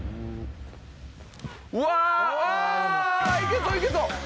うわいけそういけそう！